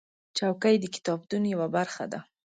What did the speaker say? چوکۍ د کتابتون یوه برخه ده.